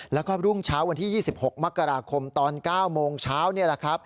แล้วก็รุ่งเช้าวันที่๒๖มกราคมตอน๙โมงเช้า